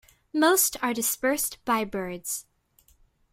Most are dispersed by birds.